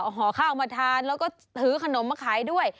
ห่อข้าวมาทานแล้วก็ถือขนมมาขายด้วย